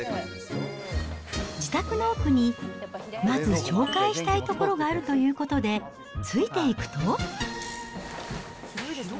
自宅の奥に、まず紹介したい所があるということで、ついて行くと。